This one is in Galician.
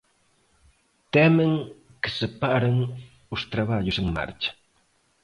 Temen que se paren os traballos en marcha.